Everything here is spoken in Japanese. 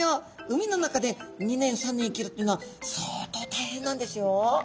海の中で２年３年生きるっていうのは相当大変なんですよ。